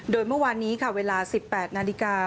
โดยเมื่อวานนี้ค่ะเวลา๑๘นาฬิกา